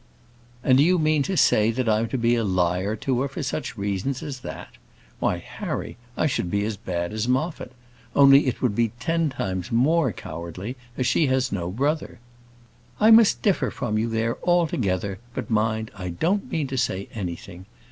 "And do you mean to say I'm to be a liar to her for such reasons as that? Why, Harry, I should be as bad as Moffat. Only it would be ten times more cowardly, as she has no brother." "I must differ from you there altogether; but mind, I don't mean to say anything.